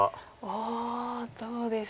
ああどうですかね。